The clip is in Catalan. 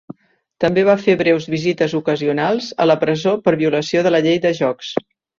També va fer breus visites ocasionals a la presó per violació de la llei de jocs.